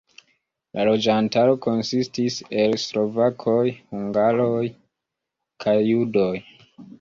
La loĝantaro konsistis el slovakoj, hungaroj kaj judoj.